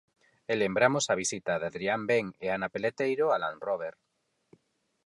E lembramos a visita de Adrián Ben e Ana Peleteiro a Land Rober.